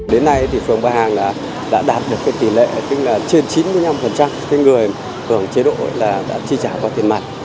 đến nay thì phường bà hàng đã đạt được tỷ lệ trên chín mươi năm người hưởng chế độ đã chi trả qua tiền mặt